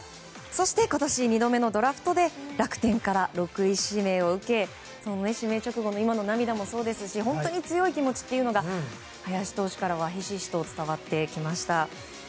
そして今年、２度目のドラフトで楽天から６位指名を受け指名直後の涙もそうですし本当に強い気持ちが林投手からはひしひしと伝わってきました。